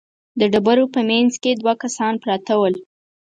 د ډبرو په مينځ کې دوه کسان پراته ول.